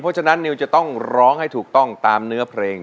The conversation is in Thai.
เพราะฉะนั้นนิวจะต้องร้องให้ถูกต้องตามเนื้อเพลง